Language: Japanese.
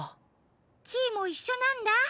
キイもいっしょなんだ。